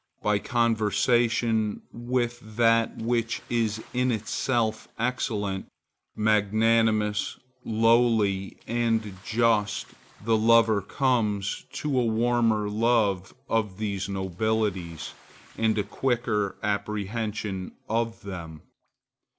By conversation with that which is in itself excellent, magnanimous, lowly, and just, the lover comes to a warmer love of these nobilities, and a quicker apprehension of them.